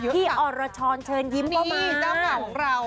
พี่อรชรเชิญยิ้มก็มา